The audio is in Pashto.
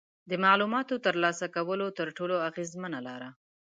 د معلوماتو ترلاسه کولو تر ټولو اغیزمنه لاره